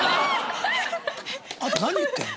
あんた何言ってんの？